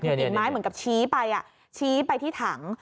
กลิ่นไม้เหมือนกับชี้ไปชี้ไปที่ถัง